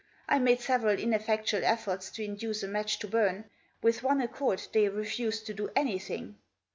I made several in effectual efforts to induce a match to burn ; with one accord they refused to do anything.